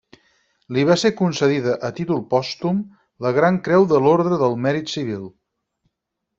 Li va ser concedida a títol pòstum la Gran Creu de l'Orde del Mèrit Civil.